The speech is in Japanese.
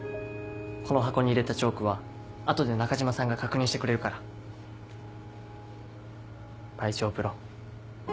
この箱に入れたチョークは後で中嶋さんが確認してくれるから。ばいじょうぶろ。